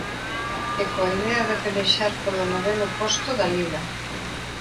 E coa idea de pelexar polo noveno posto da Liga.